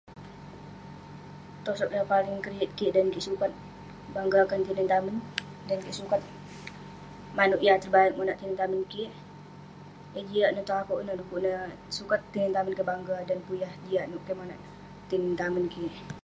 Tosog yah paling keriyet kik dan kik sukat banggakan tinen tamen, dan kik sukat manouk yah terbaik monak tinen tamen kik..eh jiak neh tong akouk ineh du'kuk neh, sukat tinen tamen kik bangga dan pun yah jiak nouk kik monak tinen tamen kik..